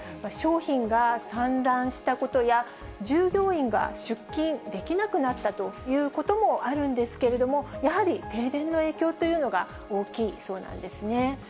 商品が散乱したことや、従業員が出勤できなくなったということもあるんですけれども、やはり停電の影響というのが大きいそうなんですね。